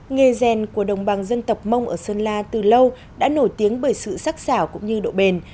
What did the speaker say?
nghề rèn của đồng bào dân tộc mông ở sơn la từ lâu đã nổi tiếng bởi sự sắc xảo cũng như độ bền